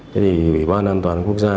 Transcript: vậy thì ủy ban an toàn quốc gia